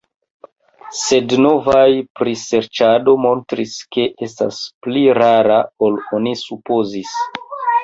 Sed novaj priserĉado montris, ke estas pli rara ol oni supozis.